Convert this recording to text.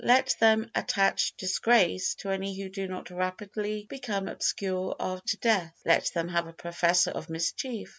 Let them attach disgrace to any who do not rapidly become obscure after death. Let them have a Professor of Mischief.